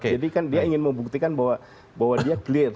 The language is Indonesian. jadi kan dia ingin membuktikan bahwa dia clear